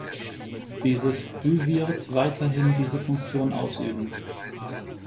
Dieses Büwird weiterhin diese Funktion ausüben.